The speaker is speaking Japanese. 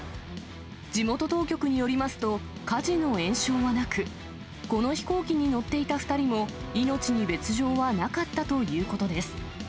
地元当局によりますと、火事の延焼はなく、この飛行機に乗っていた２人も、命に別状はなかったということです。